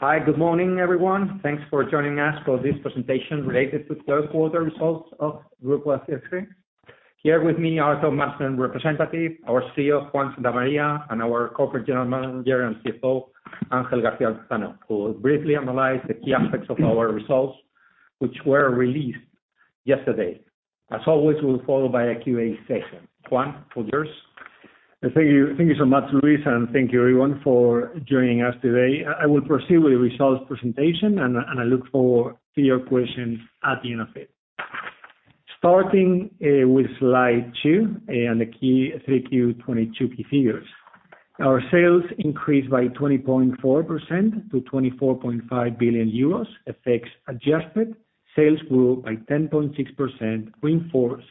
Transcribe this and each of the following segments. Hi. Good morning, everyone. Thanks for joining us for this presentation related to Q3 results of Grupo ACS. Here with me are top management representative, our CEO, Juan Santamaría, and our Corporate General Manager and CFO, Ángel García Altozano, who will briefly analyze the key aspects of our results, which were released yesterday. As always, we'll follow by a QA session. Juan, all yours. Thank you. Thank you so much, Luis, and thank you everyone for joining us today. I will proceed with the results presentation and I look forward to your questions at the end of it. Starting with slide two and the key Q3-22 key figures. Our sales increased by 20.4% to 24.5 billion euros. FX adjusted sales grew by 10.6%, reinforced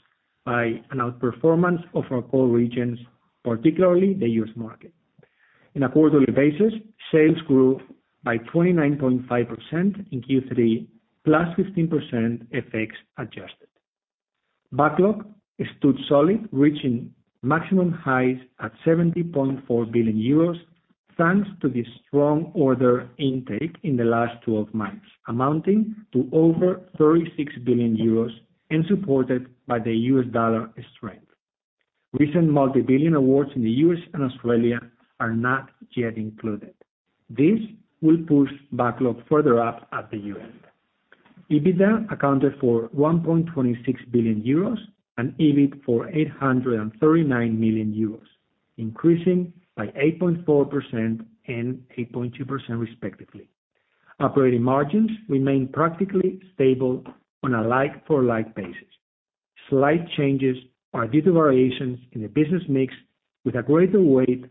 by an outperformance of our core regions, particularly the U.S. market. On a quarterly basis, sales grew by 29.5% in Q3, +15% FX adjusted. Backlog stood solid, reaching maximum highs at 70.4 billion euros, thanks to the strong order intake in the last 12 months, amounting to over 36 billion euros and supported by the U.S. dollar strength. Recent multi-billion awards in the U.S. and Australia are not yet included. This will push backlog further up at the year-end. EBITDA accounted for 1.26 billion euros and EBIT for 839 million euros, increasing by 8.4% and 8.2% respectively. Operating margins remain practically stable on a like for like basis. Slight changes are due to variations in the business mix with a greater weight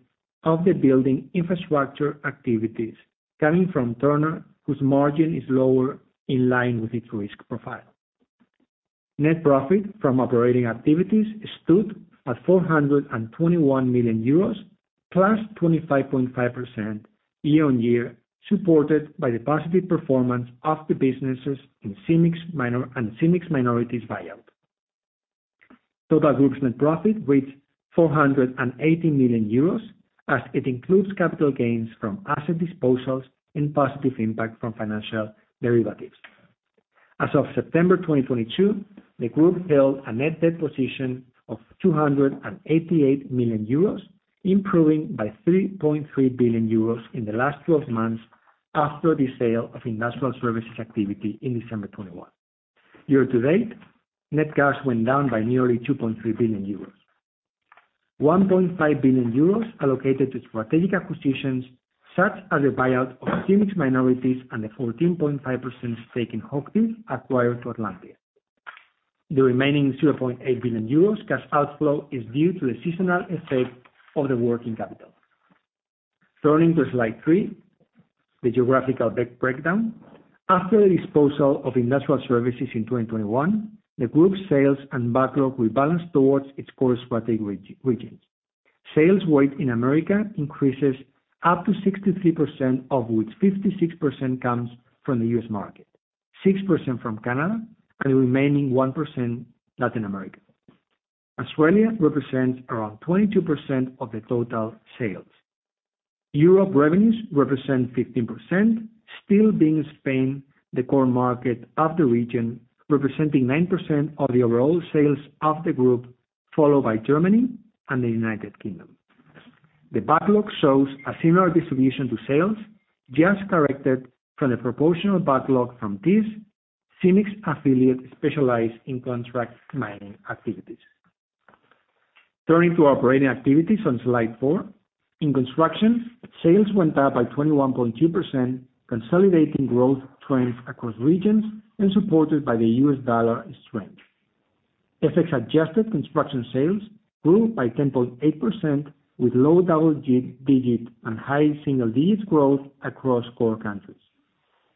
of the building infrastructure activities coming from Turner, whose margin is lower in line with its risk profile. Net profit from operating activities stood at 421 million euros, +25.5% year-on-year, supported by the positive performance of the businesses in CIMIC minority and CIMIC minorities buyout. Total group's net profit reached 480 million euros, as it includes capital gains from asset disposals and positive impact from financial derivatives. As of September 2022, the group held a net debt position of 288 million euros, improving by 3.3 billion euros in the last twelve months after the sale of Industrial Services activity in December 2021. Year to date, net cash went down by nearly 2.3 billion euros. 1.5 billion euros allocated to strategic acquisitions such as the buyout of CIMIC's minorities and the 14.5% stake in Hochtief acquired from Atlantia. The remaining 0.8 billion euros cash outflow is due to the seasonal effect of the working capital. Turning to slide three, the geographical breakdown. After the disposal of Industrial Services in 2021, the group's sales and backlog will balance towards its core strategic regions. Sales weight in America increases up to 63%, of which 56% comes from the U.S. market, 6% from Canada, and the remaining 1% Latin America. Australia represents around 22% of the total sales. Europe revenues represent 15%, still being Spain the core market of the region, representing 9% of the overall sales of the group, followed by Germany and the United Kingdom. The backlog shows a similar distribution to sales, just corrected from the proportional backlog from this CIMIC's affiliate specialized in contract mining activities. Turning to operating activities on slide four. In construction, sales went up by 21.2%, consolidating growth trends across regions and supported by the U.S. dollar strength. FX adjusted construction sales grew by 10.8%, with low double-digit and high single-digit growth across core countries.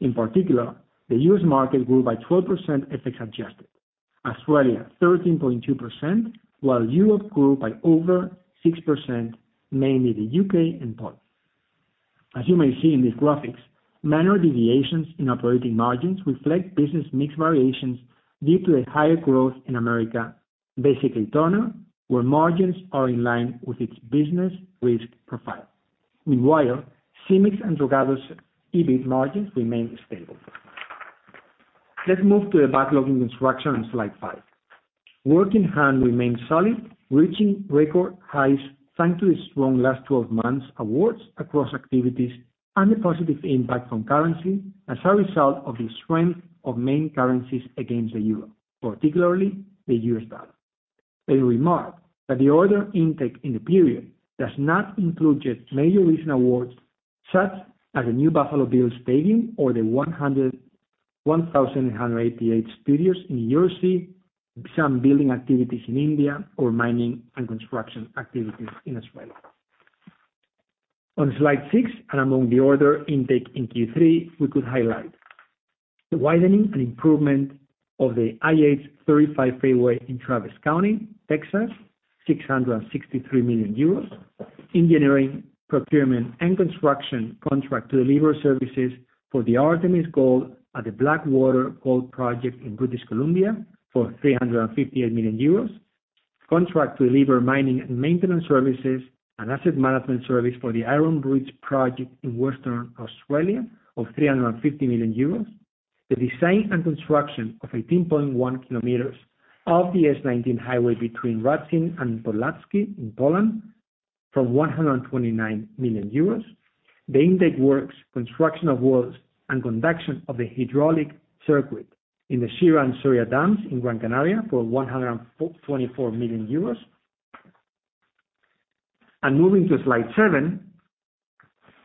In particular, the U.S.Market grew by 12% FX adjusted. Australia, 13.2%, while Europe grew by over 6%, mainly the U.K. and Poland. As you may see in these graphics, minor deviations in operating margins reflect business mix variations due to the higher growth in America, basically Turner, where margins are in line with its business risk profile. Meanwhile, CIMIC's and Dragados' EBIT margins remain stable. Let's move to the backlog in construction on slide five. Work in hand remains solid, reaching record highs thanks to the strong last 12 months awards across activities and the positive impact from currency as a result of the strength of main currencies against the euro, particularly the US dollar. A remark that the order intake in the period does not include yet major recent awards such as the new Buffalo Bills stadium or the 101,188 studios in the Eurosea, some building activities in India or mining and construction activities in Australia. On slide six, among the order intake in Q3, we could highlight the widening and improvement of the I-35 freeway in Travis County, Texas, 663 million euros. Engineering, procurement, and construction contract delivery services for the Artemis Gold at the Blackwater gold project in British Columbia for 358 million euros. Contract to deliver mining and maintenance services and asset management service for the Iron Bridge project in Western Australia of 350 million euros. The design and construction of 18.1 km of the S19 highway between Radzyń and Polackie in Poland for 129 million euros. The intake works, construction of walls, and conduction of the hydraulic circuit in the Chira and Soria dams in Gran Canaria for 144 million euros. Moving to slide seven.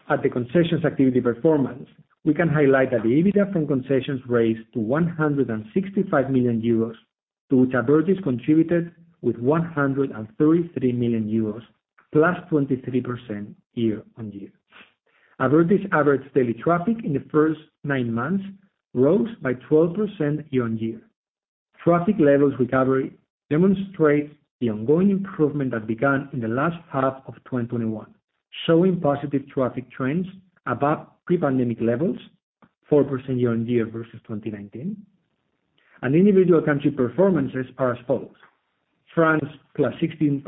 At the concessions activity performance, we can highlight that the EBITDA from concessions raised to 165 million euros, to which Abertis contributed with 133 million euros, +23% year on year. Abertis average daily traffic in the first nine months rose by 12% year on year. Traffic levels recovery demonstrates the ongoing improvement that began in the last half of 2021, showing positive traffic trends above pre-pandemic levels, 4% year on year versus 2019. Individual country performances are as follows. France, +16%.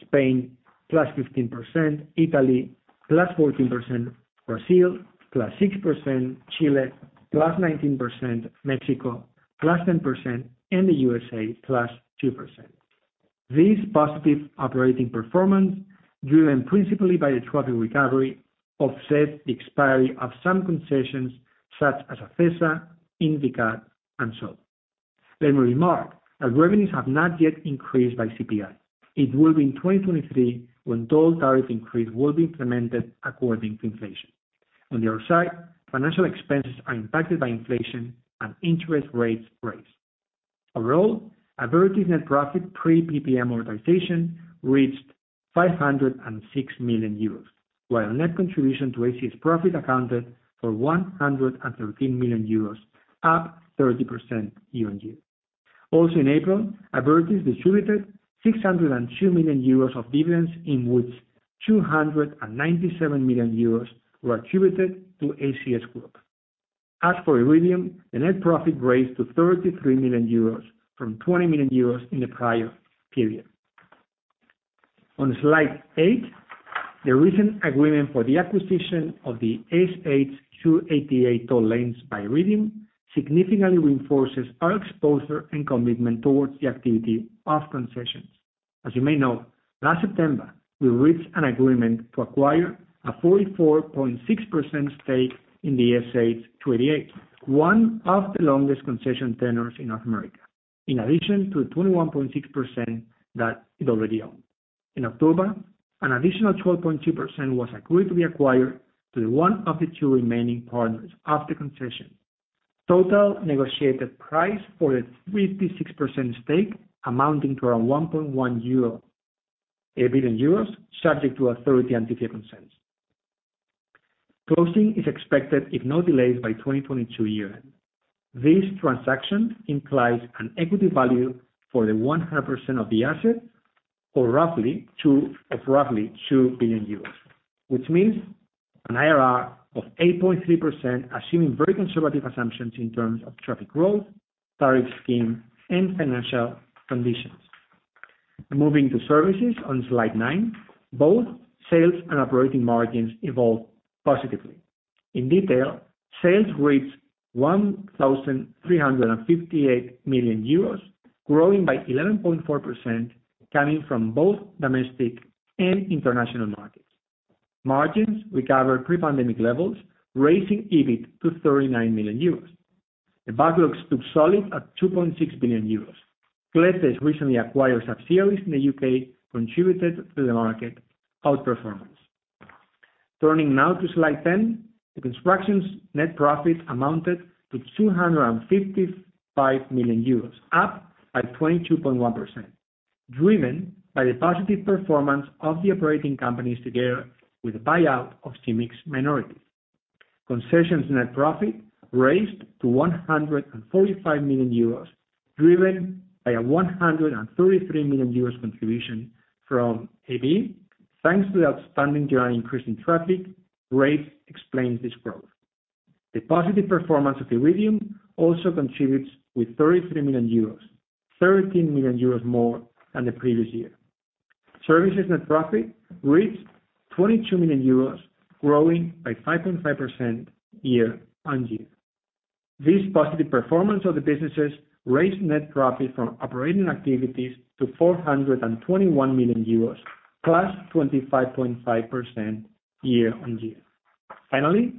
Spain, +15%. Italy, +14%. Brazil, +6%. Chile, +19%. Mexico, +10% and the USA, +2%. This positive operating performance, driven principally by the traffic recovery, offset the expiry of some concessions such as Acesa, Invicat, and so on. Let me remark that revenues have not yet increased by CPI. It will be in 2023 when toll tariff increase will be implemented according to inflation. On the other side, financial expenses are impacted by inflation and interest rates raised. Overall, Abertis net profit pre PPA amortization reached 506 million euros, while net contribution to ACS profit accounted for 113 million euros, up 30% year-on-year. Also in April, Abertis distributed 602 million euros of dividends, in which 297 million euros were attributed to ACS Group. As for Iridium, the net profit raised to 33 million euros from 20 million euros in the prior period. On slide eight, the recent agreement for the acquisition of the SH 288 toll lanes by Iridium significantly reinforces our exposure and commitment towards the activity of concessions. As you may know, last September, we reached an agreement to acquire a 44.6% stake in the SH 288, one of the longest concession tenures in North America, in addition to the 21.6% that it already owned. In October, an additional 12.2% was agreed to be acquired to the one of the two remaining partners of the concession. Total negotiated price for the 56% stake amounting to around 1.1 billion euro, subject to authority and FIFA consents. Closing is expected, if no delays, by 2022 year-end. This transaction implies an equity value for the 100% of the asset for roughly 2 billion euros, which means an IRR of 8.3%, assuming very conservative assumptions in terms of traffic growth, tariff scheme, and financial conditions. Moving to services on slide nine, both sales and operating margins evolved positively. In detail, sales reached 1,358 million euros, growing by 11.4%, coming from both domestic and international markets. Margins recover pre-pandemic levels, raising EBIT to 39 million euros. The backlogs stood solid at 2.6 billion euros. Clece's recently acquired CSN Care Group in the U.K. contributed to the market outperformance. Turning now to slide 10. Construction's net profit amounted to 255 million euros, up by 22.1%, driven by the positive performance of the operating companies together with the buyout of CIMIC's minorities. Concessions' net profit rose to 145 million euros, driven by a 133 million euros contribution from Abertis. Thanks to the outstanding year-on-year increase in traffic, Abertis explains this growth. The positive performance of Iridium also contributes with 33 million euros, 13 million euros more than the previous year. Services' net profit reached 22 million euros, growing by 5.5% year on year. This positive performance of the businesses raised net profit from operating activities to 421 million euros, +25.5% year on year. Finally,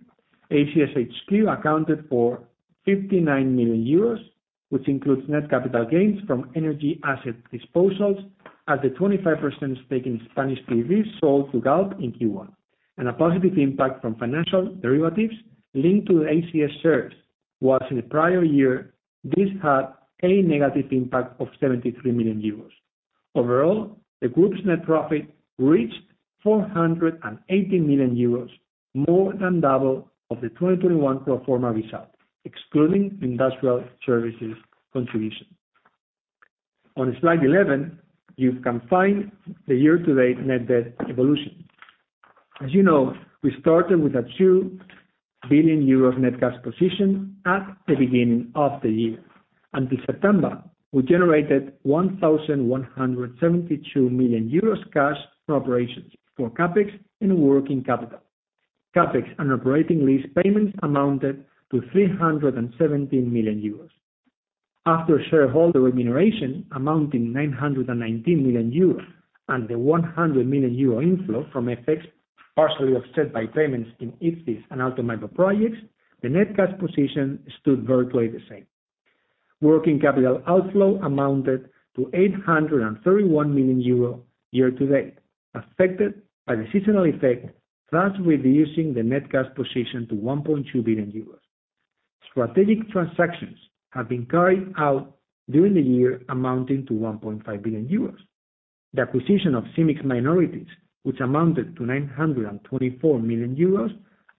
ACS HQ accounted for 59 million euros, which includes net capital gains from energy asset disposals at the 25% stake in Spanish PV sold to Galp in Q1. A positive impact from financial derivatives linked to the ACS shares, while in the prior year, this had a negative impact of 73 million euros. Overall, the group's net profit reached 480 million euros, more than double of the 2021 pro forma result, excluding industrial services contribution. On slide 11, you can find the year-to-date net debt evolution. As you know, we started with a 2 billion euros net cash position at the beginning of the year. Until September, we generated 1,172 million euros cash from operations for CapEx and working capital. CapEx and operating lease payments amounted to 317 million euros. After shareholder remuneration amounting to 919 million euros and the 100 million euro inflow from FX, partially offset by payments in IPSYS and Automapa projects, the net cash position stood virtually the same. Working capital outflow amounted to 831 million euro year-to-date, affected by the seasonal effect, thus reducing the net cash position to 1.2 billion euros. Strategic transactions have been carried out during the year amounting to 1.5 billion euros. The acquisition of CIMIC's minorities, which amounted to 924 million euros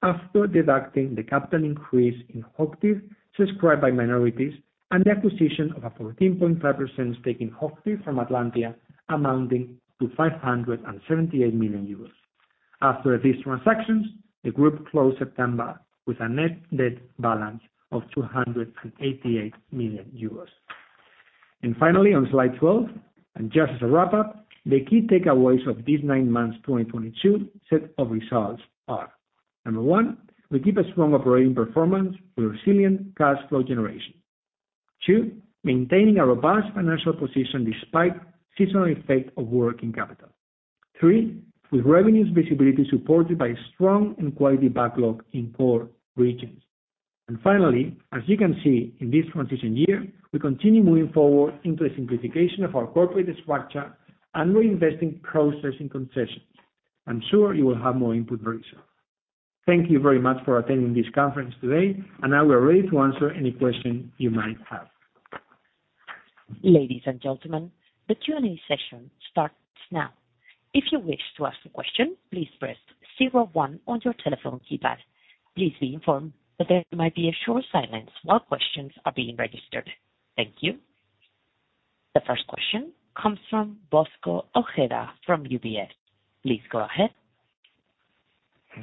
after deducting the capital increase in Hochtief described by minorities and the acquisition of a 14.5% stake in Hochtief from Atlantia amounting to 578 million euros. After these transactions, the group closed September with a net debt balance of 288 million euros. Finally, on slide 12, and just as a wrap-up, the key takeaways of these nine months 2022 set of results are. Number one we keep a strong operating performance with resilient cash flow generation. Two, maintaining a robust financial position despite seasonal effect of working capital. Three, with revenues visibility supported by strong and quality backlog in core regions. Finally, as you can see in this transition year, we continue moving forward into a simplification of our corporate structure and reinvesting proceeds in concessions. I'm sure you will have more input very soon. Thank you very much for attending this conference today, and now we're ready to answer any question you might have. Ladies and gentlemen, the Q&A session starts now. If you wish to ask a question, please press zero one on your telephone keypad. Please be informed that there might be a short silence while questions are being registered. Thank you. The first question comes from Bosco Ojeda from UBS. Please go ahead.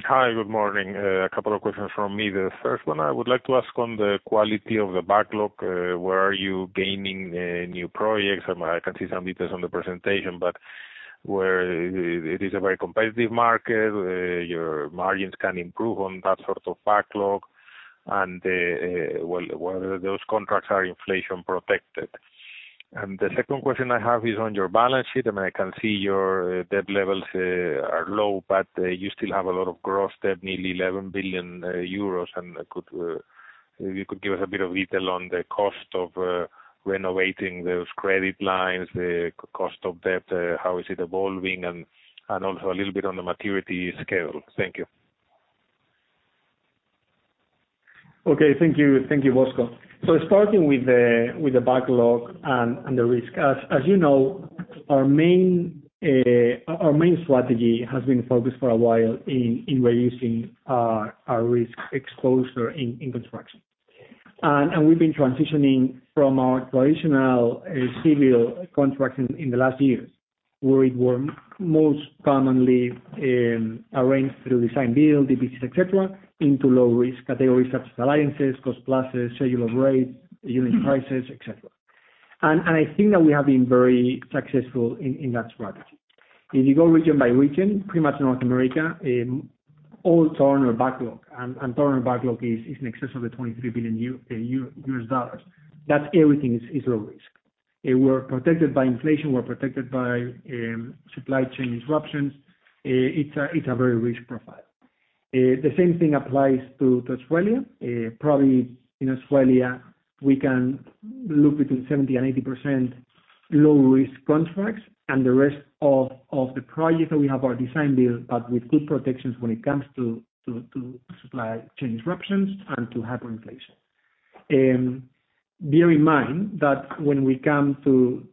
Hi, good morning. A couple of questions from me. The first one I would like to ask on the quality of the backlog. Where are you gaining new projects? I mean, I can see some details on the presentation, but where it is a very competitive market, your margins can improve on that sort of backlog and, well, whether those contracts are inflation protected. The second question I have is on your balance sheet. I mean, I can see your debt levels are low, but you still have a lot of gross debt, nearly 11 billion euros. Could you give us a bit of detail on the cost of renovating those credit lines, the cost of debt, how is it evolving? Also a little bit on the maturity scale. Thank you. Okay. Thank you, Bosco. Starting with the backlog and the risk. As you know, our main strategy has been focused for a while in reducing our risk exposure in construction. We've been transitioning from our traditional civil contracts in the last years, where they were most commonly arranged through design-build, DBs, EPCs, et cetera, into low-risk categories such as alliances, cost-plus, schedule of rates, unit prices, et cetera. I think that we have been very successful in that strategy. If you go region by region, pretty much North America, all Turner backlog, and Turner backlog is in excess of $23 billion. That's everything is low risk. We're protected by inflation. We're protected by supply chain disruptions. It's a very rich profile. The same thing applies to Australia. Probably in Australia, we can look between 70% and 80% low risk contracts. The rest of the projects that we have are design-build, but with good protections when it comes to supply chain disruptions and hyperinflation. Bear in mind that when we come to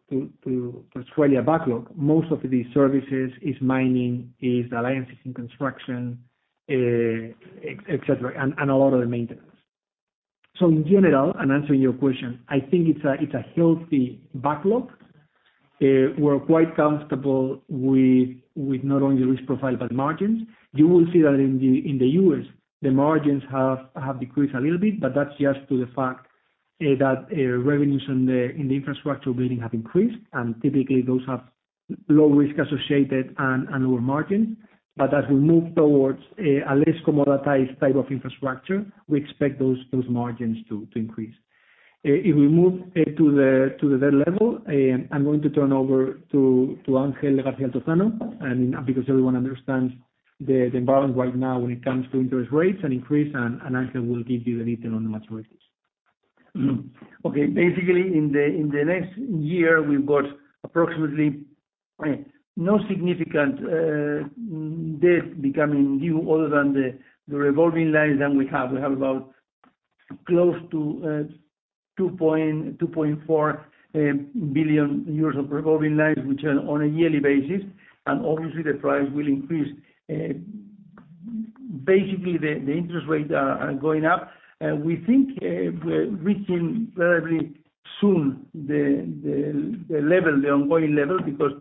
Australia backlog, most of these services is mining, is alliances in construction, etc., and a lot of the maintenance. In general, and answering your question, I think it's a healthy backlog. We're quite comfortable with not only the risk profile but margins. You will see that in the U.S., the margins have decreased a little bit, but that's just to the fact that revenues in the infrastructure building have increased, and typically those have low risk associated and lower margins. As we move towards a less commoditized type of infrastructure, we expect those margins to increase. If we move to the debt level, I'm going to turn over to Ángel García Altozano, and because everyone understands the environment right now when it comes to interest rates and increase, and Ángel García Altozano will give you the detail on the maturities. Okay. Basically, in the next year, we've got approximately no significant debt becoming due other than the revolving lines that we have. We have about close to 2.4 billion of revolving lines, which are on a yearly basis. Obviously the price will increase. Basically, the interest rates are going up. We think we're reaching very soon the ongoing level, because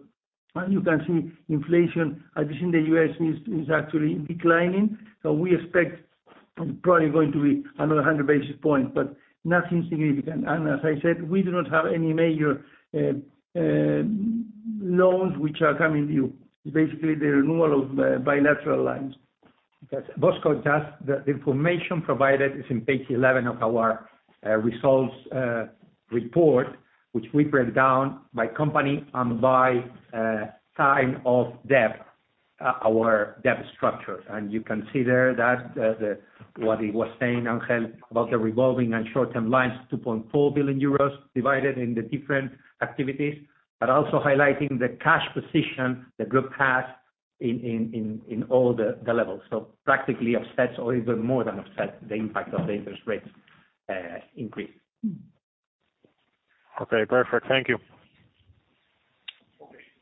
as you can see, inflation, at least in the U.S. is actually declining. We expect probably going to be another 100 basis points, but nothing significant. As I said, we do not have any major loans which are coming due. Basically, the renewal of bilateral lines. The information provided is in page 11 of our results report, which we break down by company and by term of debt our debt structures. You can see there that what he was saying, Ángel, about the revolving and short-term lines, 2.4 billion euros divided in the different activities, but also highlighting the cash position the group has in all the levels. Practically offsets or even more than offset the impact of the interest rates increase. Okay. Perfect. Thank you.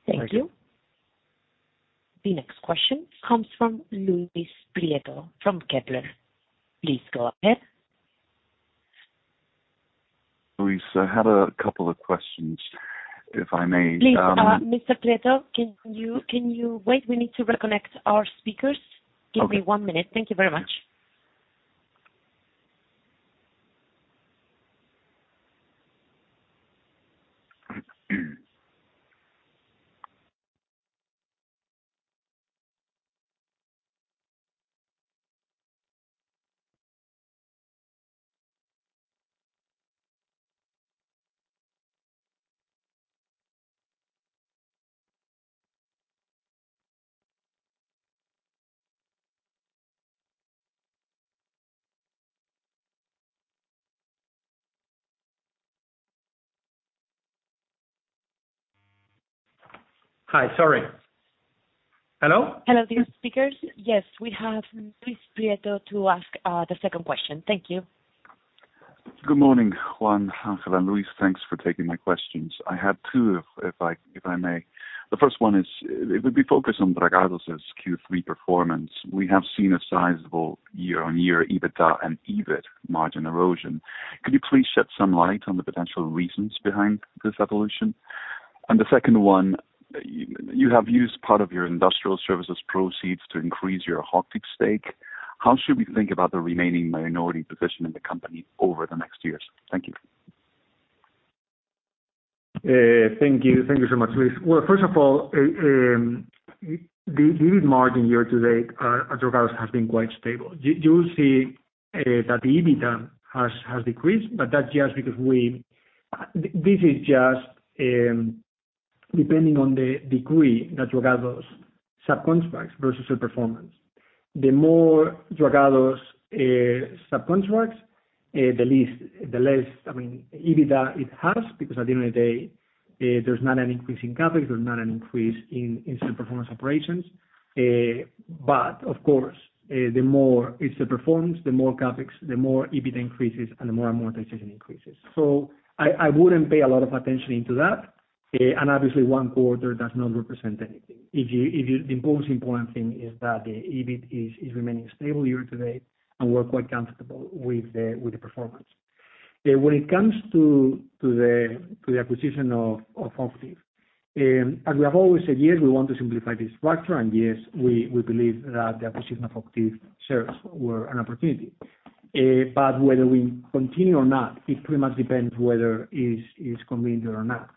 Thank you. Thank you. The next question comes from Luis Prieto from Kepler. Please go ahead. Luis, I had a couple of questions, if I may. Please, Mr. Prieto, can you wait? We need to reconnect our speakers. Okay. Give me one minute. Thank you very much. Hi. Sorry. Hello? Hello, dear speakers. Yes, we have Luis Prieto to ask the second question. Thank you. Good morning, Juan, Ángel, and Luis. Thanks for taking my questions. I had two, if I may. The first one is, it would be focused on Dragados' Q3 performance. We have seen a sizable year-on-year EBITDA and EBIT margin erosion. Could you please shed some light on the potential reasons behind this evolution? The second one, you have used part of your industrial services proceeds to increase your Hochtief stake. How should we think about the remaining minority position in the company over the next years? Thank you. Thank you. Thank you so much, Luis. Well, first of all, the EBIT margin year-to-date at Dragados has been quite stable. You'll see that the EBITDA has decreased, but that's just because this is depending on the degree that Dragados subcontracts versus its performance. The more Dragados subcontracts, the less, I mean, EBITDA it has, because at the end of the day, there's not an increase in CapEx, there's not an increase in some performance operations. But of course, the more it's the performance, the more CapEx, the more EBIT increases and the more amortization increases. I wouldn't pay a lot of attention into that. Obviously one quarter does not represent anything. The most important thing is that the EBIT is remaining stable year-to-date, and we're quite comfortable with the performance. When it comes to the acquisition of Hochtief, as we have always said, yes, we want to simplify this structure, and yes, we believe that the acquisition of Hochtief serves were an opportunity. But whether we continue or not, it pretty much depends whether it is convenient or not.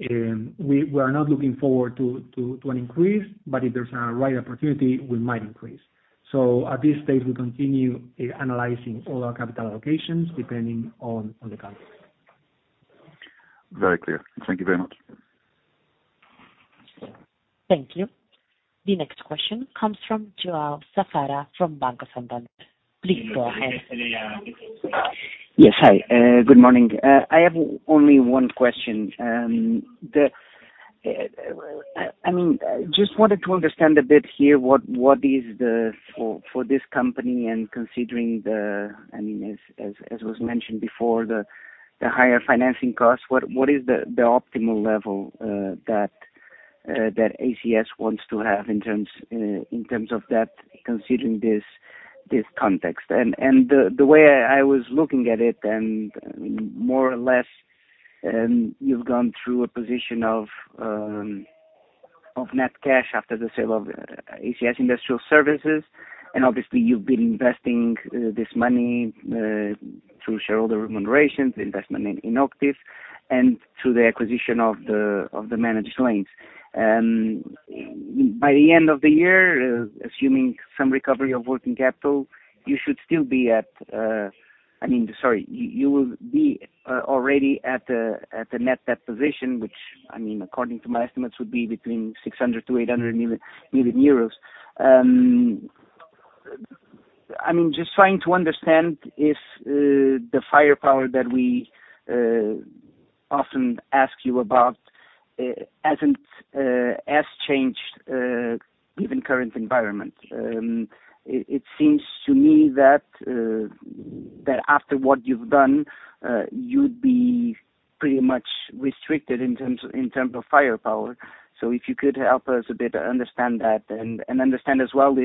We are not looking forward to an increase, but if there's a right opportunity, we might increase. At this stage, we continue analyzing all our capital allocations depending on the capital. Very clear. Thank you very much. Thank you. The next question comes from João Safara from Banco Santander. Please go ahead. Yes. Hi. Good morning. I have only one question. I mean, just wanted to understand a bit here what is the optimal level for this company, considering, I mean, as was mentioned before, the higher financing costs, that ACS wants to have in terms of that, considering this context? The way I was looking at it, and more or less, you've gone through a position of net cash after the sale of ACS Industrial Services, and obviously you've been investing this money through shareholder remunerations, investment in Hochtief and through the acquisition of the managed lanes. By the end of the year, assuming some recovery of working capital, you should still be at. I mean, sorry, you will be already at the net debt position, which, I mean, according to my estimates, would be between 600 million-800 million euros. I mean, just trying to understand if the firepower that we often ask you about has changed given current environment. It seems to me that, That after what you've done, you'd be pretty much restricted in terms of firepower. If you could help us a bit understand that and understand as well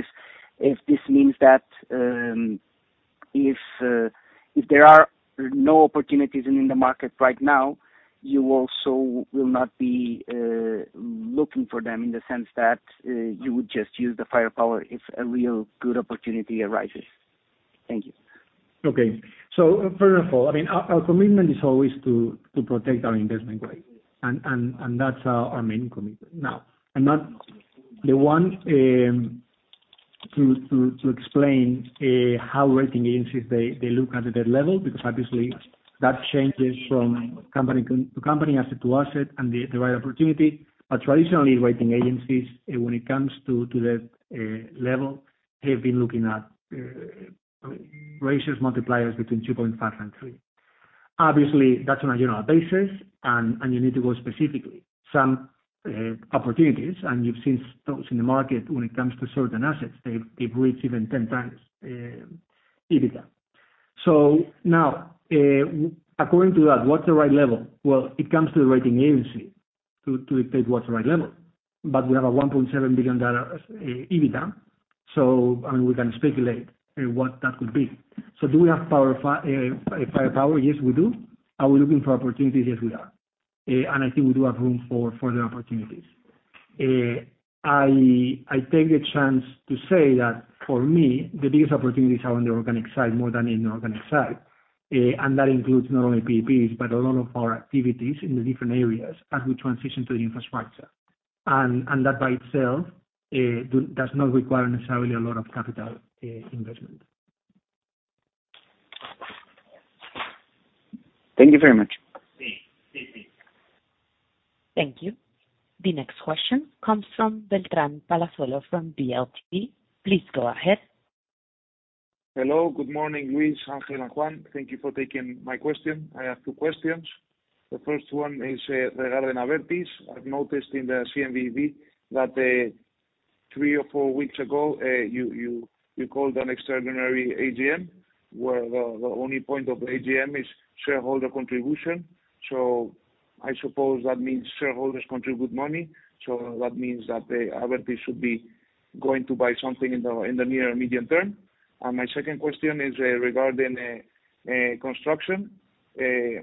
if this means that, if there are no opportunities in the market right now, you also will not be looking for them in the sense that you would just use the firepower if a real good opportunity arises. Thank you. Okay. First of all, I mean, our commitment is always to protect our investment grade, and that's our main commitment. Now, I'm not the one to explain how rating agencies they look at the debt level, because obviously that changes from company to company, asset to asset and the right opportunity. Traditionally, rating agencies, when it comes to the level, have been looking at ratios, multipliers between 2.5 and 3. Obviously, that's on a general basis, and you need to go specifically. Some opportunities, and you've seen those in the market when it comes to certain assets, they've reached even 10x EBITDA. Now, according to that, what's the right level? Well, it comes to the rating agency to dictate what's the right level. We have a $1.7 billion EBITDA, so I mean, we can speculate what that could be. Do we have firepower? Yes, we do. Are we looking for opportunities? Yes, we are. I think we do have room for further opportunities. I take the chance to say that for me, the biggest opportunities are on the organic side more than inorganic side. That includes not only PPPs, but a lot of our activities in the different areas as we transition to the infrastructure. That by itself does not require necessarily a lot of capital investment. Thank you very much. Sí. Sí, sí. Thank you. The next question comes from Beltrán Palazuelo from DLTV. Please go ahead. Hello, good morning, Luis, Angel, and Juan. Thank you for taking my question. I have two questions. The first one is regarding Abertis. I've noticed in the CNMV that three or four weeks ago you called an extraordinary AGM, where the only point of AGM is shareholder contribution. I suppose that means shareholders contribute money, so that means that Abertis should be going to buy something in the near and medium term. My second question is regarding construction.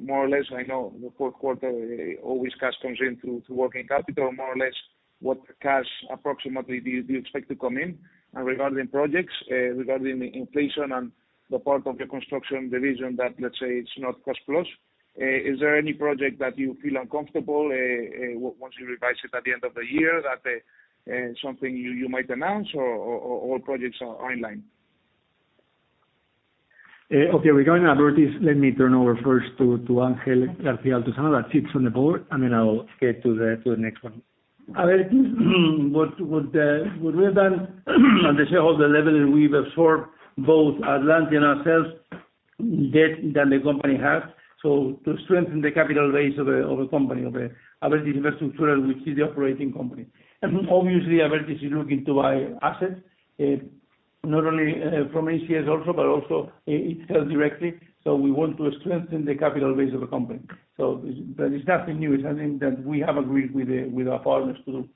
More or less, I know the Q4 always cash comes in through to working capital. More or less what cash approximately do you expect to come in? Regarding projects, regarding inflation and the part of the construction division that, let's say, it's not cost plus, is there any project that you feel uncomfortable once you revise it at the end of the year, that something you might announce or all projects are in line? Okay, regarding Abertis, let me turn over first to Ángel García Altozano that sits on the board, and then I'll get to the next one. Abertis, what we have done at the shareholder level is we've absorbed both Atlantia and our own debt that the company has. To strengthen the capital base of the company, of Abertis Infraestructuras, which is the operating company. Obviously, Abertis is looking to buy assets, not only from ACS, but also itself directly. We want to strengthen the capital base of the company. That is nothing new. It's something that we have agreed with our partners to do.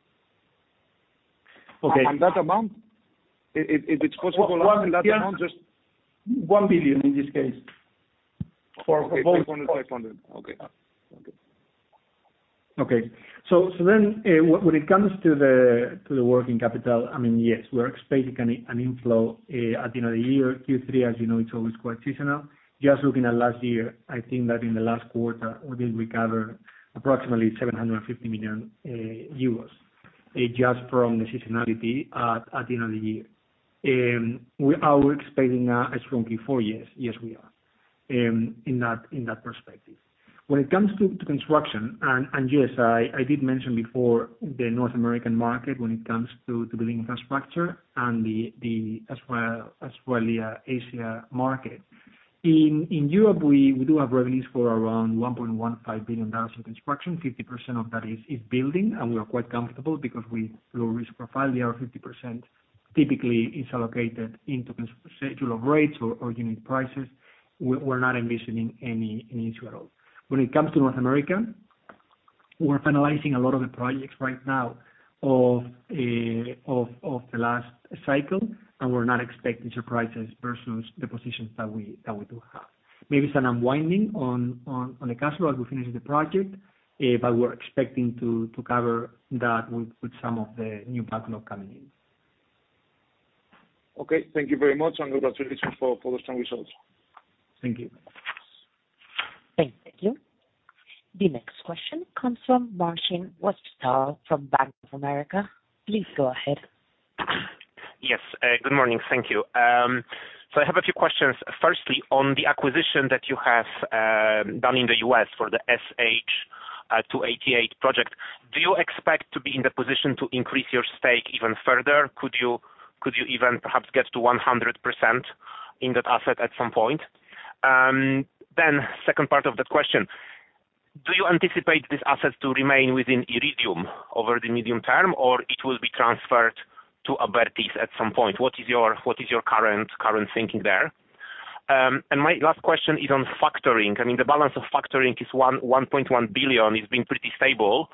Okay. That amount, if it's possible. 1 billion. That amount just. 1 billion in this case. For both- Okay. 500. Okay. When it comes to the working capital, I mean, yes, we're expecting an inflow at the end of the year, Q3, as you know, it's always quite seasonal. Just looking at last year, I think that in the last quarter, we did recover approximately 750 million euros just from the seasonality at the end of the year. We are expecting a strong Q4, yes. Yes, we are in that perspective. When it comes to construction, and yes, I did mention before the North American market when it comes to building infrastructure and the Australia, Asia market. In Europe, we do have revenues for around $1.15 billion in construction. 50% of that is building, and we are quite comfortable because we have a low risk profile there. 50% typically is allocated into schedule of rates or unit prices. We're not envisioning any issue at all. When it comes to North America, we're finalizing a lot of the projects right now of the last cycle, and we're not expecting surprises versus the positions that we do have. Maybe it's an unwinding of the cash flow as we finish the project, but we're expecting to cover that with some of the new backlog coming in. Okay, thank you very much. Congratulations for the strong results. Thank you. Thank you. The next question comes from Marcin Wojtal from Bank of America. Please go ahead. Yes. Good morning. Thank you. I have a few questions. Firstly, on the acquisition that you have done in the U.S. for the SH-288 project, do you expect to be in the position to increase your stake even further? Could you even perhaps get to 100% in that asset at some point? Second part of that question. Do you anticipate this asset to remain within Iridium over the medium term or it will be transferred to Abertis at some point? What is your current thinking there? I mean, the balance of factoring is 1.1 billion. It's been pretty stable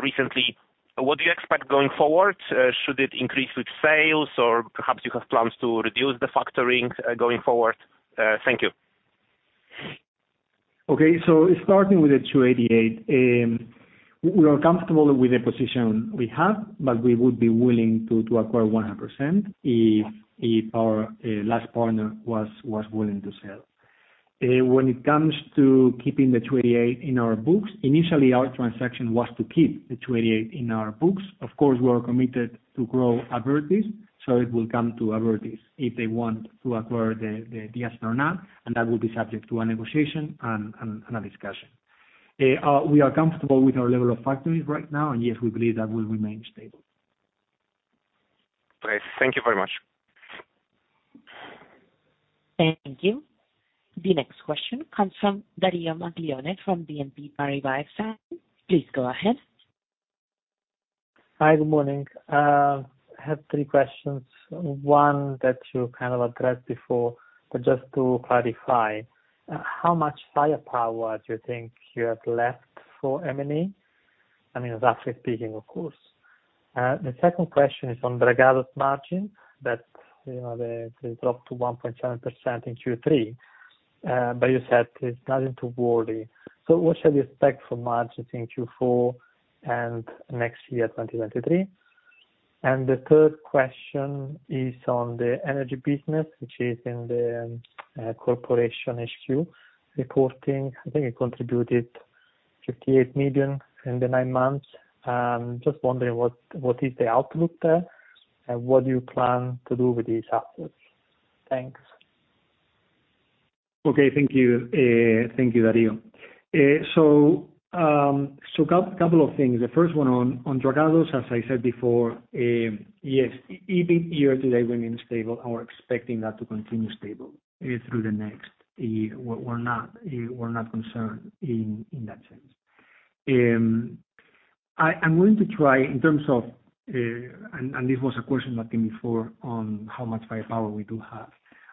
recently. What do you expect going forward? Should it increase with sales or perhaps you have plans to reduce the factoring going forward? Thank you. Okay. Starting with the 288, we are comfortable with the position we have, but we would be willing to acquire 100% if our last partner was willing to sell. When it comes to keeping the 288 in our books, initially, our transaction was to keep the 288 in our books. Of course, we are committed to grow Abertis, so it will come to Abertis if they want to acquire the DSernav, and that will be subject to a negotiation and a discussion. We are comfortable with our level of factoring right now, and yes, we believe that will remain stable. Great. Thank you very much. Thank you. The next question comes from Dario Maglione from BNP Paribas. Please go ahead. Hi, good morning. I have three questions. One that you kind of addressed before, but just to clarify, how much firepower do you think you have left for M&A? I mean, roughly speaking, of course. The second question is on Dragados margin that, you know, they dropped to 1.7% in Q3. But you said it's nothing to worry. So what should we expect from margins in Q4 and next year, 2023? And the third question is on the energy business, which is in the corporate HQ reporting. I think it contributed 58 million in the nine months. Just wondering, what is the outlook there? And what do you plan to do with these assets? Thanks. Okay. Thank you. Thank you, Dario. Couple of things. The first one on Dragados, as I said before, yes, year-to-date remaining stable and we're expecting that to continue stable through the next year. We're not concerned in that sense. I'm going to try in terms of. This was a question back in before on how much firepower we do have.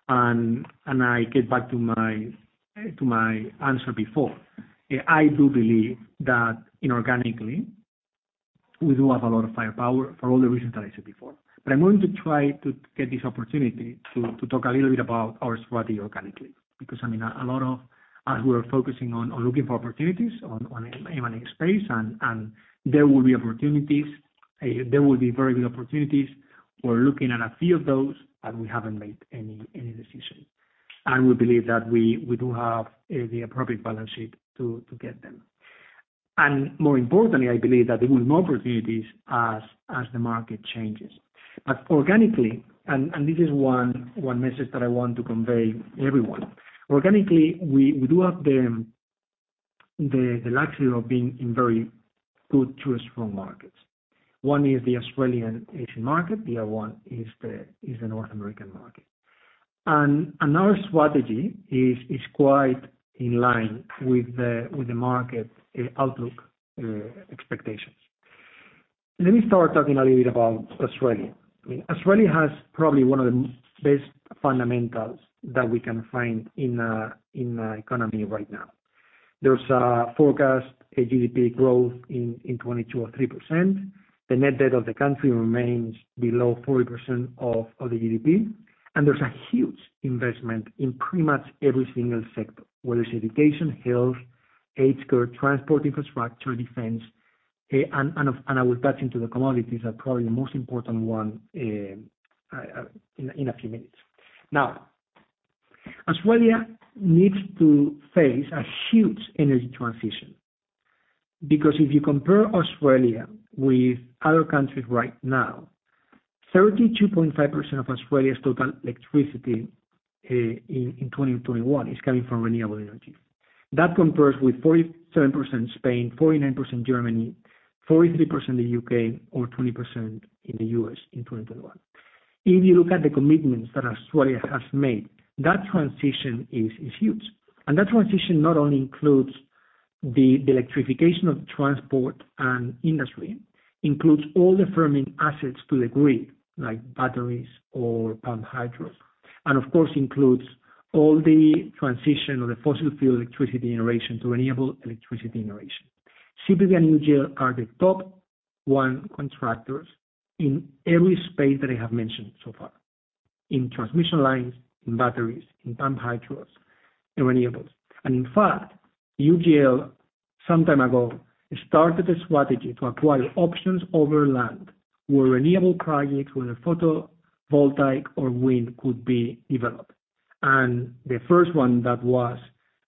I get back to my answer before. I do believe that inorganically, we do have a lot of firepower for all the reasons that I said before. I'm going to try to get this opportunity to talk a little bit about our strategy organically. I mean, a lot of us we are focusing on looking for opportunities on M&A space. There will be opportunities. There will be very good opportunities. We're looking at a few of those, and we haven't made any decision. We believe that we do have the appropriate balance sheet to get them. More importantly, I believe that there will be more opportunities as the market changes. Organically, this is one message that I want to convey to everyone. Organically, we do have the luxury of being in very good to strong markets. One is the Australian Asian market, the other one is the North American market. Another strategy is quite in line with the market outlook expectations. Let me start talking a little bit about Australia. I mean, Australia has probably one of the best fundamentals that we can find in an economy right now. There's a forecast, a GDP growth in 2% or 3%. The net debt of the country remains below 40% of the GDP. There's a huge investment in pretty much every single sector, whether it's education, health, aged care, transport, infrastructure, defense. I will touch on the commodities are probably the most important one, in a few minutes. Now, Australia needs to face a huge energy transition. Because if you compare Australia with other countries right now, 32.5% of Australia's total electricity in 2021 is coming from renewable energy. That compares with 47% Spain, 49% Germany, 43% the U.K. or 20% in the U.S. in 2021. If you look at the commitments that Australia has made, that transition is huge. That transition not only includes the electrification of transport and industry, includes all the firming assets to the grid, like batteries or pump hydros. Of course, includes all the transition of the fossil fuel electricity generation to renewable electricity generation. CPB and UGL are the top one contractors in every space that I have mentioned so far, in transmission lines, in batteries, in pump hydros and renewables. In fact, UGL some time ago started a strategy to acquire options over land, where renewable projects, whether photovoltaic or wind could be developed. The first one that was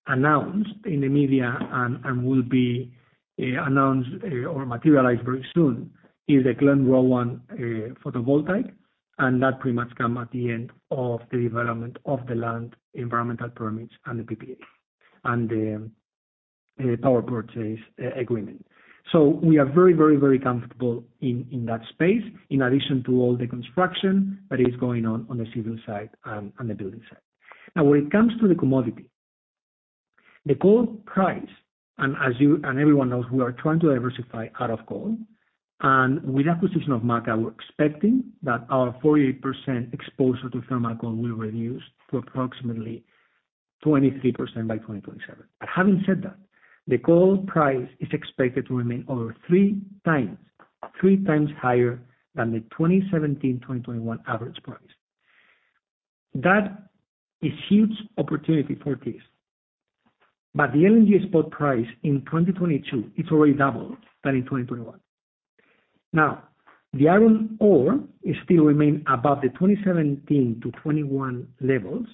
announced in the media and will be announced or materialized very soon is the Glenrowan photovoltaic, and that pretty much come at the end of the development of the land environmental permits and the PPA and power purchase agreement. We are very comfortable in that space, in addition to all the construction that is going on on the civil side and on the building side. Now when it comes to the commodity, the coal price, and as you and everyone knows, we are trying to diversify out of coal. With acquisition of MACA, we're expecting that our 48% exposure to thermal coal will reduce to approximately 23% by 2027. Having said that, the coal price is expected to remain over 3x higher than the 2017-2021 average price. That is huge opportunity for Thiess. The LNG spot price in 2022 is already double than in 2021. Now, the iron ore still remain above the 2017-2021 levels,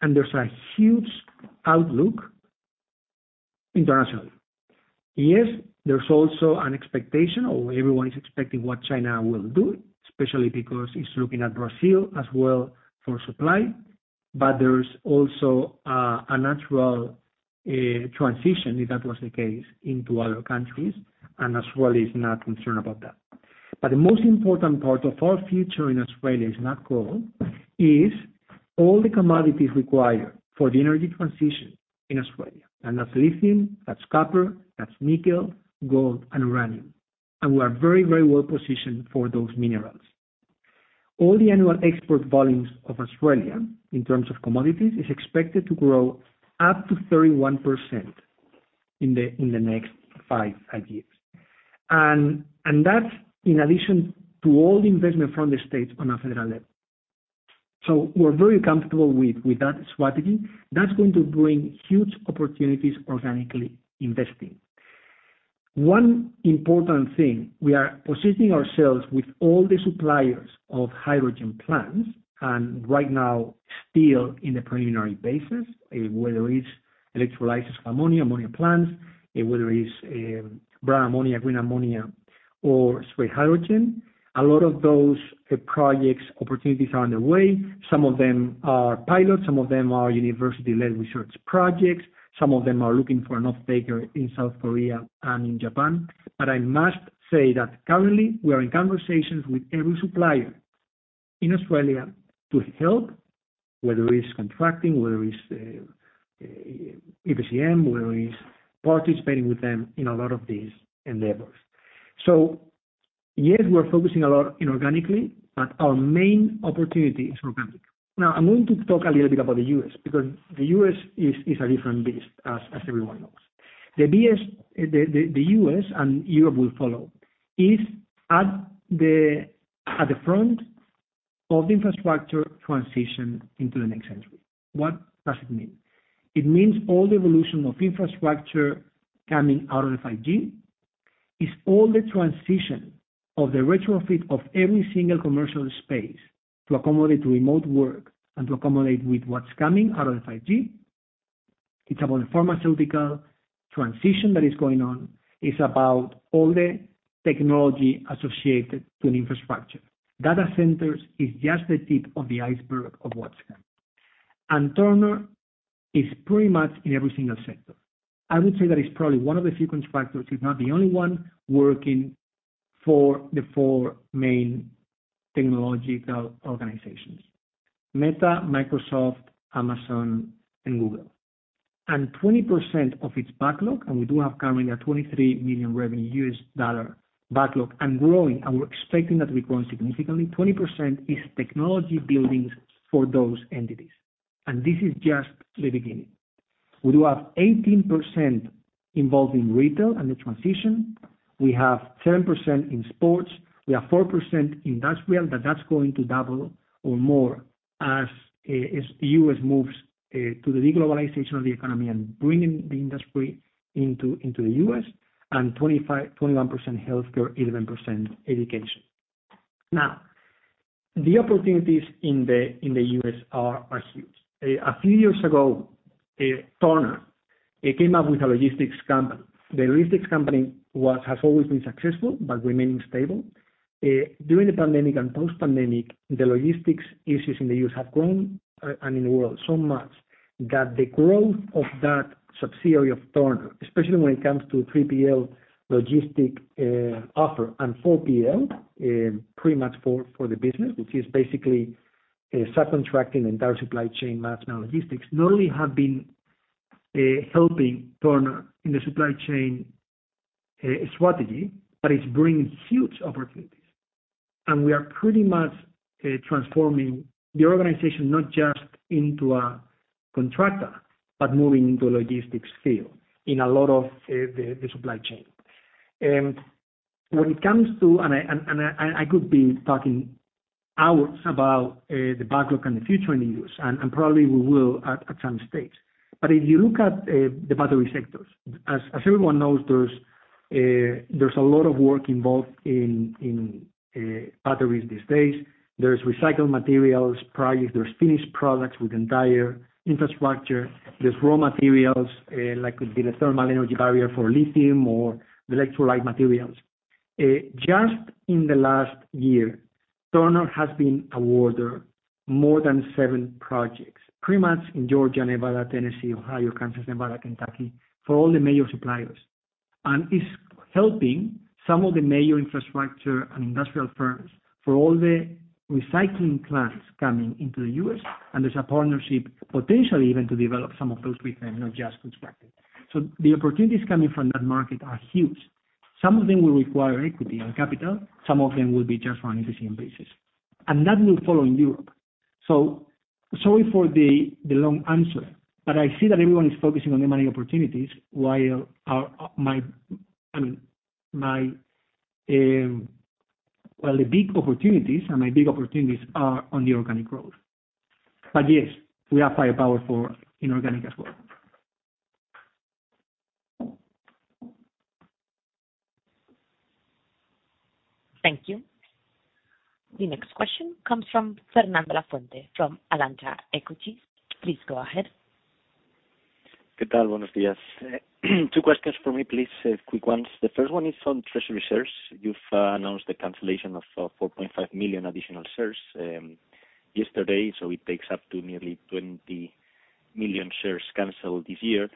and there's a huge outlook internationally. Yes, there's also an expectation or everyone is expecting what China will do, especially because it's looking at Brazil as well for supply. There's also a natural transition, if that was the case, into other countries, and Australia is not concerned about that. The most important part of our future in Australia is not coal, is all the commodities required for the energy transition in Australia. That's lithium, that's copper, that's nickel, gold, and uranium. We are very, very well positioned for those minerals. All the annual export volumes of Australia in terms of commodities is expected to grow up to 31% in the next five years. That's in addition to all the investment from the states on a federal level. We're very comfortable with that strategy. That's going to bring huge opportunities organically investing. One important thing, we are positioning ourselves with all the suppliers of hydrogen plants, and right now still in the preliminary basis, whether it's electrolysis of ammonia plants, whether it's brown ammonia, green ammonia or sweet hydrogen. A lot of those project opportunities are underway. Some of them are pilot, some of them are university-led research projects. Some of them are looking for an off-taker in South Korea and in Japan. I must say that currently we are in conversations with every supplier in Australia to help, whether it's contracting, whether it's EPCM, whether it's participating with them in a lot of these endeavors. Yes, we're focusing a lot inorganically, but our main opportunity is organic. Now, I'm going to talk a little bit about the U.S., because the U.S. is a different beast as everyone knows. The U.S., and Europe will follow, is at the front of the infrastructure transition into the next century. What does it mean? It means all the evolution of infrastructure coming out of the 5G is all the transition of the retrofit of every single commercial space to accommodate remote work and to accommodate with what's coming out of the 5G. It's about a fundamental transition that is going on. It's about all the technology associated to an infrastructure. Data centers is just the tip of the iceberg of what's coming. Turner is pretty much in every single sector. I would say that it's probably one of the few contractors, if not the only one, working for the four main technological organizations, Meta, Microsoft, Amazon, and Google. 20% of its backlog, and we do have currently a $23 million revenue U.S. dollar backlog and growing. We're expecting that to be growing significantly. 20% is technology buildings for those entities, and this is just the beginning. We do have 18% involved in retail and the transition. We have 10% in sports. We have 4% industrial, but that's going to double or more as the U.S. Moves to the reglobalization of the economy and bringing the industry into the U.S.. 21% healthcare, 11% education. Now, the opportunities in the U.S. are huge. A few years ago, Turner came up with a logistics company. The logistics company has always been successful, but remaining stable. During the pandemic and post pandemic, the logistics issues in the U.S. have grown and in the world so much that the growth of that subsidiary of Turner, especially when it comes to 3PL logistics offer and 4PL pretty much for the business, which is basically subcontracting entire supply chain management logistics, not only have been helping Turner in the supply chain strategy, but it's bringing huge opportunities. We are pretty much transforming the organization not just into a contractor, but moving into a logistics field in a lot of the supply chain. When it comes to, I could be talking hours about the backlog and the future in the U.S., and probably we will at some stage. If you look at the battery sectors, as everyone knows, there's a lot of work involved in batteries these days. There's recycled materials products, there's finished products with entire infrastructure. There's raw materials, like could be the thermal energy barrier for lithium or the electrolyte materials. Just in the last year, Turner has been awarded more than 7 projects, pretty much in Georgia, Nevada, Tennessee, Ohio, Kansas, Nevada, Kentucky, for all the major suppliers. Is helping some of the major infrastructure and industrial firms for all the recycling plants coming into the US, and there's a partnership potentially even to develop some of those with them, not just constructing. The opportunities coming from that market are huge. Some of them will require equity and capital, some of them will be just on an EPCM basis. That will follow in Europe. Sorry for the long answer, but I see that everyone is focusing on the money opportunities while our, my, I mean, my, well, the big opportunities and my big opportunities are on the organic growth. Yes, we have firepower for inorganic as well. Thank you. The next question comes from Fernando Lafuente from Alantra Equities. Please go ahead. Good day, buenos días. Two questions for me, please, quick ones. The first one is on treasury shares. You've announced the cancellation of 4.5 million additional shares yesterday, so it takes up to nearly 20 million shares canceled this year.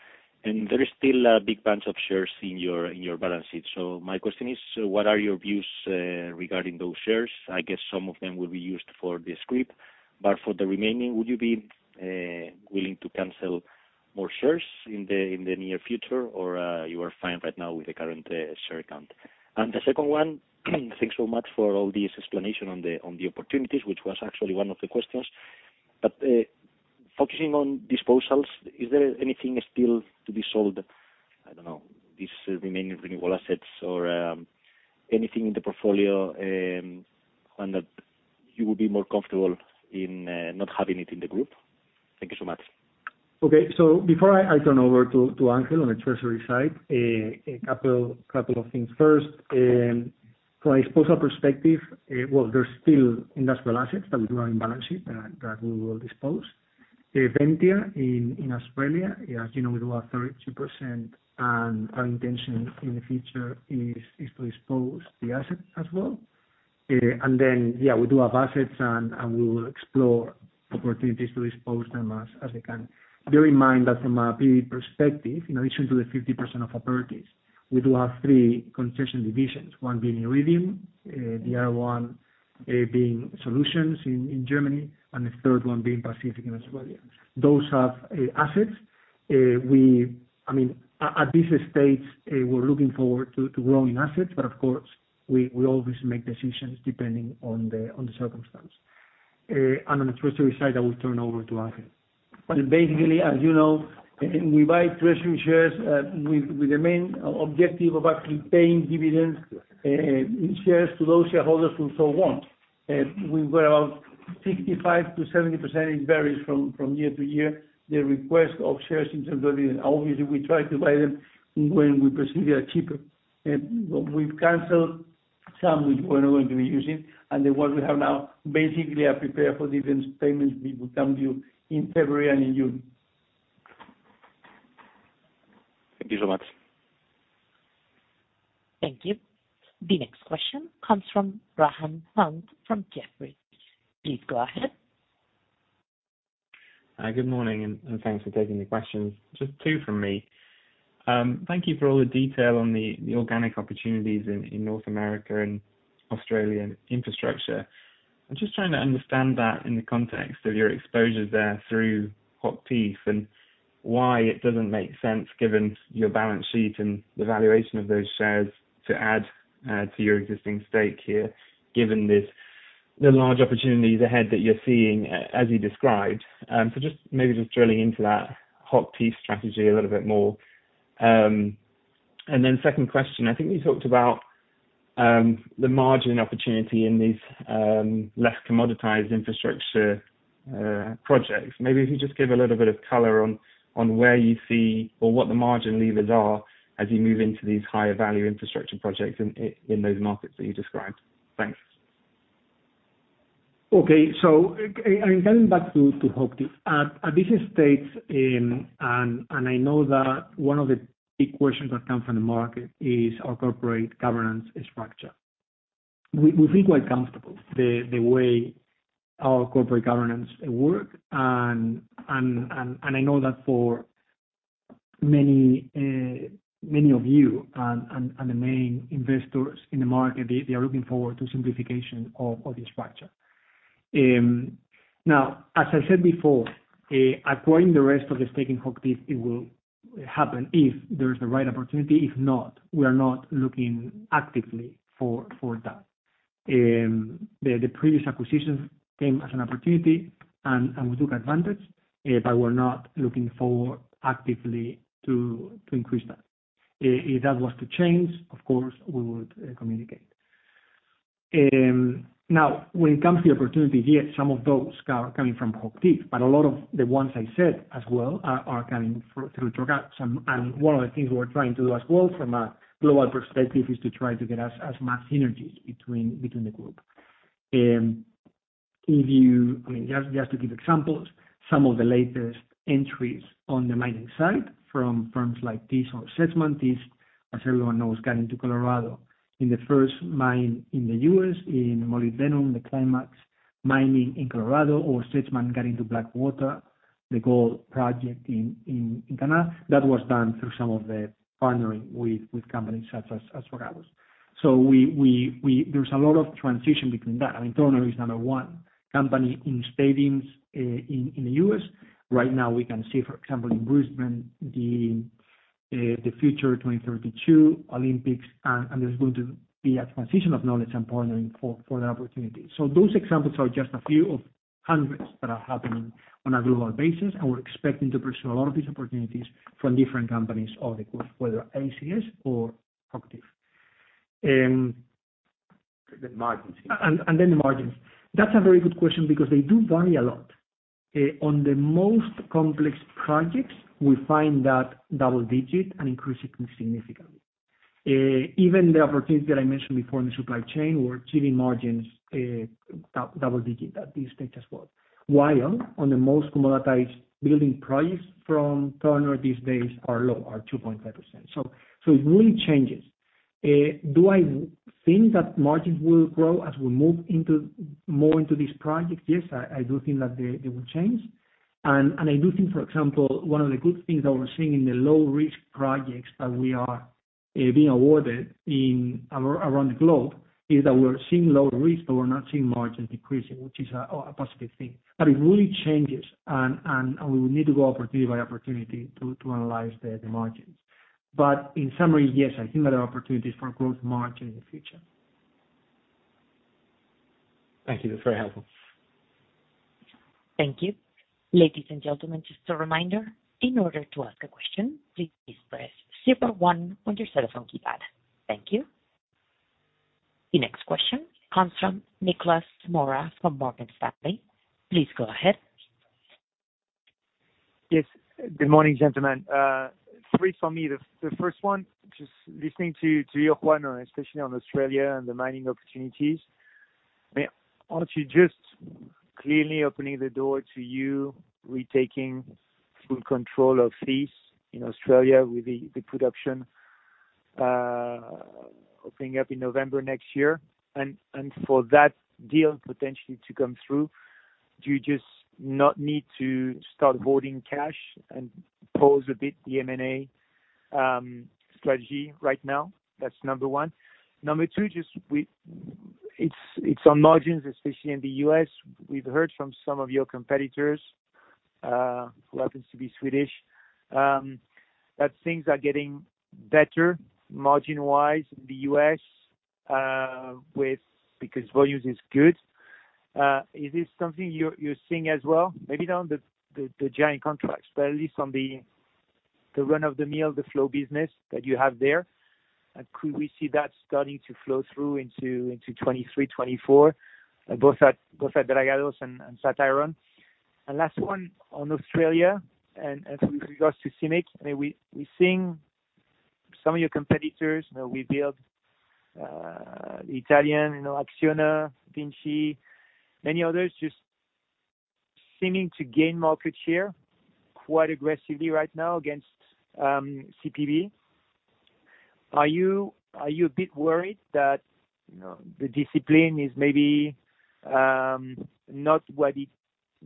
There is still a big bunch of shares in your balance sheet. My question is, what are your views regarding those shares? I guess some of them will be used for the scrip. For the remaining, would you be willing to cancel more shares in the near future or you are fine right now with the current share count? The second one, thanks so much for all this explanation on the opportunities, which was actually one of the questions. Focusing on disposals, is there anything still to be sold? I don't know, these remaining renewable assets or anything in the portfolio, and that you would be more comfortable in not having it in the group? Thank you so much. Okay. Before I turn over to Ángel on the treasury side, a couple of things. First, from a disposal perspective, well, there's still industrial assets that we do own on balance sheet that we will dispose. Ventia in Australia, as you know, we do have 32% and our intention in the future is to dispose the assets as well. And then, we do have assets and we will explore opportunities to dispose them as we can. Bear in mind that from a PV perspective, in addition to the 50% of Abertis, we do have three concession divisions, one being Iridium, the other one being Solutions in Germany, and the third one being Pacific in Australia. Those have assets. I mean, at this stage, we're looking forward to growing assets, but of course, we always make decisions depending on the circumstance. On the treasury side, I will turn over to Ángel. Basically, as you know, we buy treasury shares, with the main objective of actually paying dividends, in shares to those shareholders who so want. We've got about 65%-70%, it varies from year to year, the request of shares in terms of dividend. Obviously, we try to buy them when we perceive they are cheaper. We've canceled some which we're not going to be using, and the ones we have now basically are prepared for dividends payments we will come due in February and in June. Thank you so much. Thank you. The next question comes from Graham Hunt from Jefferies. Please go ahead. Good morning, and thanks for taking the questions. Just two from me. Thank you for all the detail on the organic opportunities in North America and Australian infrastructure. I'm just trying to understand that in the context of your exposure there through Hochtief and why it doesn't make sense given your balance sheet and the valuation of those shares to add to your existing stake here, given the large opportunities ahead that you're seeing as you described. So just maybe just drilling into that Hochtief strategy a little bit more. And then second question, I think you talked about the margin opportunity in these less commoditized infrastructure projects. Maybe if you just give a little bit of color on where you see or what the margin levers are as you move into these higher value infrastructure projects in those markets that you described. Thanks. Okay. Coming back to Hochtief. At this stage, I know that one of the big questions that come from the market is our corporate governance structure. We feel quite comfortable the way our corporate governance work. I know that for many of you and the main investors in the market, they are looking forward to simplification of the structure. Now, as I said before, acquiring the rest of the stake in Hochtief, it will happen if there's the right opportunity. If not, we are not looking actively for that. The previous acquisitions came as an opportunity and we took advantage, but we're not looking forward actively to increase that. If that was to change, of course, we would communicate. Now when it comes to the opportunity, yes, some of those are coming from Hochtief, but a lot of the ones I said as well are coming through JVs. One of the things we're trying to do as well from a global perspective is to try to get as much synergies between the group. I mean, just to give examples, some of the latest entries on the mining side from firms like Thiess or Sedgman. Thiess, as everyone knows, got into Colorado. Their first mine in the US in molybdenum, the Climax mine in Colorado or Sedgman got into Blackwater. The gold project in Canada, that was done through some of the partnering with companies such as Dragados. There's a lot of interaction between that. I mean, Turner is number one company in stadiums in the U.S.. Right now we can see, for example, in Brisbane, the future 2032 Olympics, and there's going to be a transition of knowledge and partnering for that opportunity. Those examples are just a few of hundreds that are happening on a global basis, and we're expecting to pursue a lot of these opportunities from different companies of the group, whether ACS or CIMIC. The margins. The margins. That's a very good question because they do vary a lot. On the most complex projects, we find that double-digit and increasing significantly. Even the opportunities that I mentioned before in the supply chain, we're achieving margins, double-digit at this stage as well. While on the most commoditized building projects from Turner these days are low, 2.5%. It really changes. Do I think that margins will grow as we move more into these projects? Yes, I do think that they will change. I do think, for example, one of the good things that we're seeing in the low-risk projects that we are being awarded around the globe is that we're seeing lower risk, but we're not seeing margins decreasing, which is a positive thing. It really changes and we will need to go opportunity by opportunity to analyze the margins. In summary, yes, I think there are opportunities for growth margin in the future. Thank you. That's very helpful. Thank you. Ladies and gentlemen, just a reminder, in order to ask a question, please press zero one on your cellphone keypad. Thank you. The next question comes from Nicolas Mora from Morgan Stanley. Please go ahead. Yes. Good morning, gentlemen. Three from me. The first one, just listening to you, Juan, especially on Australia and the mining opportunities. Aren't you just clearly opening the door to you retaking full control of Thiess in Australia with the production opening up in November next year? And for that deal potentially to come through, do you just not need to start hoarding cash and pause a bit the M&A strategy right now? That's number one. Number two, just it's on margins, especially in the U.S. We've heard from some of your competitors who happen to be Swedish that things are getting better margin-wise in the U.S. because volumes is good. Is this something you're seeing as well? Maybe not on the giant contracts, but at least on the run of the mill, the flow business that you have there. Could we see that starting to flow through into 2023, 2024, both at Dragados and Flatiron. Last one on Australia and with regards to CIMIC. I mean, we're seeing some of your competitors, you know, Webuild, Italian, you know, Acciona, Vinci, many others just seeming to gain market share quite aggressively right now against CPB. Are you a bit worried that, you know, the discipline is maybe not what we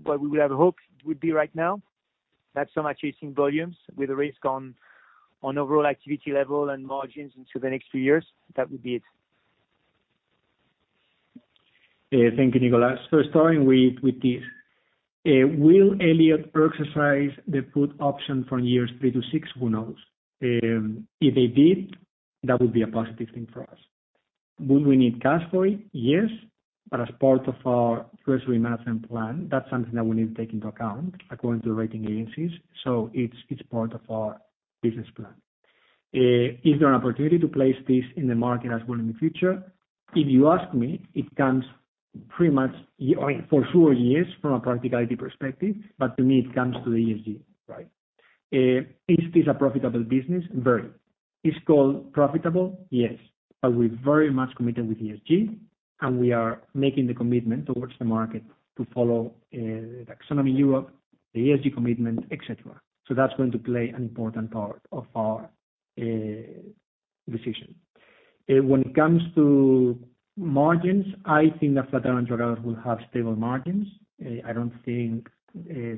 would have hoped it would be right now? That's on increasing volumes with the risk on overall activity level and margins into the next few years. That would be it. Yeah. Thank you, Nicolas. Starting with this. Will Elliott exercise the put option from years three to six? Who knows. If they did, that would be a positive thing for us. Will we need cash for it? Yes. As part of our treasury management plan, that's something that we need to take into account according to the rating agencies. It's part of our business plan. Is there an opportunity to place this in the market as well in the future? If you ask me, it comes pretty much, I mean, for sure, yes, from a practicality perspective, but to me, it comes to the ESG, right? Is this a profitable business? Very. Is gold profitable? Yes. are very much committed to ESG, and we are making the commitment towards the market to follow the EU taxonomy, the ESG commitment, et cetera. That's going to play an important part of our decision. When it comes to margins, I think that Flatiron Dragados will have stable margins. I don't think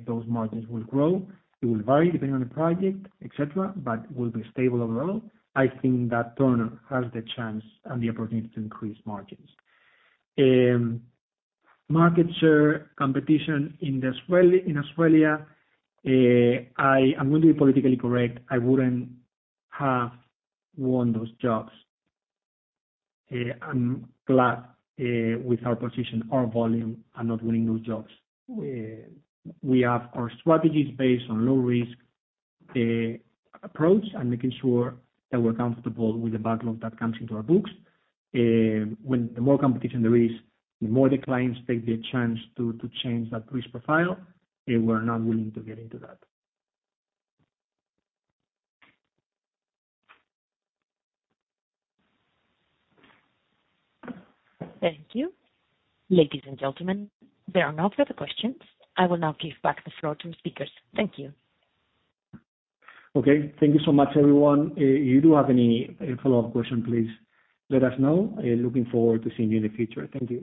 those margins will grow. It will vary depending on the project, et cetera, but will be stable overall. I think that Turner has the chance and the opportunity to increase margins. Market share competition in Australia, I am going to be politically correct. I wouldn't have won those jobs. I'm glad with our position, our volume, and not winning those jobs. We have our strategies based on low risk approach and making sure that we're comfortable with the backlog that comes into our books. When the more competition there is, the more the clients take the chance to change that risk profile, and we're not willing to get into that. Thank you. Ladies and gentlemen, there are no further questions. I will now give back the floor to the speakers. Thank you. Okay. Thank you so much, everyone. You do have any follow-up question, please let us know. Looking forward to seeing you in the future. Thank you.